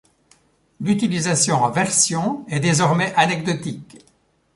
L'utilisation en version est désormais anecdotique.